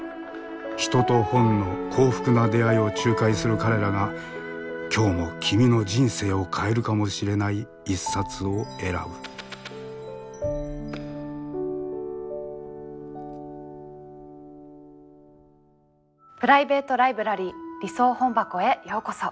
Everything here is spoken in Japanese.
人と本の幸福な出会いを仲介する彼らが今日も君の人生を変えるかもしれない一冊を選ぶプライベート・ライブラリー理想本箱へようこそ。